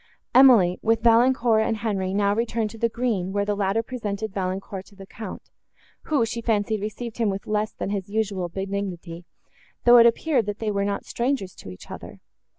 Emily, with Valancourt and Henri, now returned to the green, where the latter presented Valancourt to the Count, who, she fancied, received him with less than his usual benignity, though it appeared, that they were not strangers to each other.